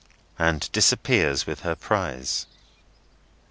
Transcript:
and disappears with her prize.